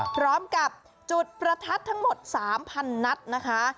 พร้อมกับจุดประทัดทั้งหมด๓๐๐นัดนะคะ